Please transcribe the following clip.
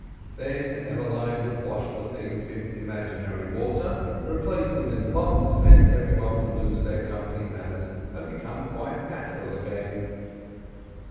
Then Emmeline would wash the things in imaginary water, replace them in the box, and every one would lose their company manners and become quite natural again.